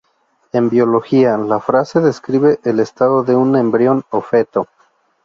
En biología, la frase describe el estado de un embrión o feto.